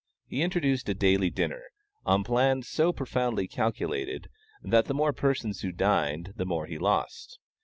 He introduced a daily dinner, on plans so profoundly calculated, that the more persons who dined the more he lost.